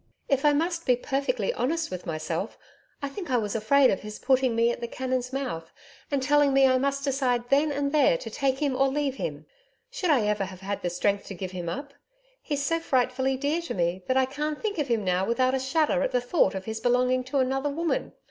If I must be perfectly honest with myself, I think I was afraid of his putting me at the cannon's mouth and telling me I must decide then and there to take him or leave him. Should I ever have had the strength to give him up? He's so frightfully dear to me, that I can't think of him now without a shudder at the thought of his belonging to another woman.